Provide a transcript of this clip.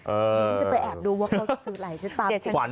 เออเดี๋ยวฉันจะไปแอบดูว่าเขาจะซื้ออะไรใช่ป่ะ